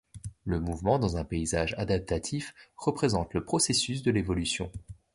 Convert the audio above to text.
Le mouvement dans un paysage adaptatif représente le processus de l’évolution.